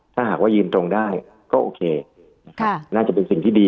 ถ้าหากว่ายืนตรงได้ก็โอเคนะครับน่าจะเป็นสิ่งที่ดี